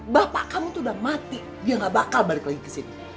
bapak kamu tuh udah mati dia gak bakal balik lagi ke sini